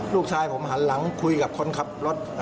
ลูกชายผมหันหลังคุยกับคนขับรถ